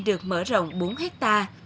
được mở rộng bốn hectare